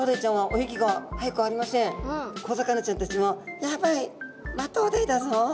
でも小魚ちゃんたちも「やばいマトウダイだぞ。